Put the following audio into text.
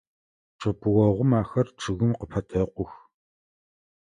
Чъэпыогъум ахэр чъыгым къыпэтэкъух.